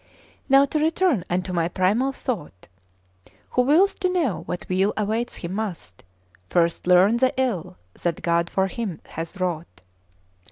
' 'Now to return unto my primal thought: Who wills to know what weal awaits him, must First learn the ill that God for him hath wrought.